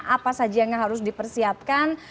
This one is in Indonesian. apa saja yang harus dipersiapkan